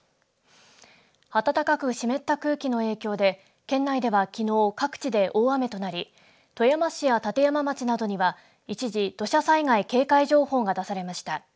暖かく湿った空気の影響で県内ではきのう各地で大雨となり富山市や立山町などには一時土砂災害警戒情報が出されました。